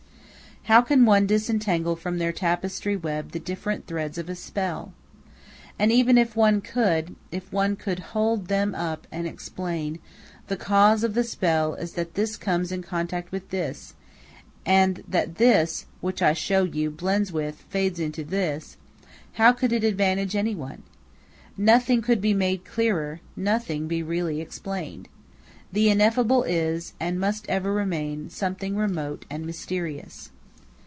How can one disentangle from their tapestry web the different threads of a spell? And even if one could, if one could hold them up, and explain, "The cause of the spell is that this comes in contact with this, and that this, which I show you, blends with, fades into, this," how could it advantage any one? Nothing could be made clearer, nothing be really explained. The ineffable is, and must ever remain, something remote and mysterious.